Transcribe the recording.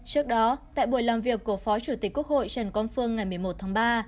trước đó tại buổi làm việc của phó chủ tịch quốc hội trần quang phương ngày một mươi một tháng ba